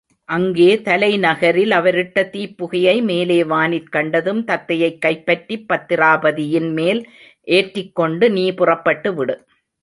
அங்கே தலைநகரில் அவரிட்ட தீப்புகையை மேலே வானிற் கண்டதும் தத்தையைக் கைப்பற்றிப் பத்திராபதியின்மேல் ஏற்றிக்கொண்டு நீ புறப்பட்டுவிடு.